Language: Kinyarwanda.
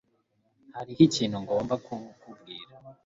Hariho ikintu ngomba kukubwira.